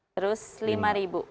terus lima ribu